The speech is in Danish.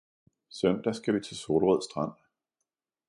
Søndag skal vi til Solrød Strand